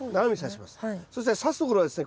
そしてさすところはですね